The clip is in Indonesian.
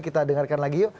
kita dengarkan lagi yuk